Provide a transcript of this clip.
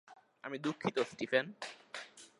আমি দুঃখিত, স্টিফেন।